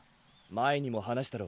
前にも話したろ。